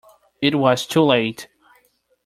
It was too late.